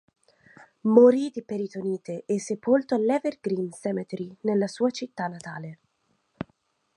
Morì di peritonite e sepolto all'Evergreen Cemetery nella sua città natale.